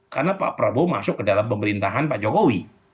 karena pak prabowo masuk ke dalam pemerintahan pak jokowi